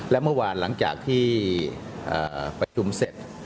และเมื่อวานหลังจากที่ประชุมเสร็จ